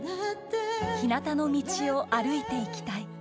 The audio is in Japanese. ひなたの道を歩いていきたい。